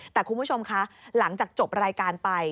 แต่คุณผู้ชมคะหลังจากจบรายการไป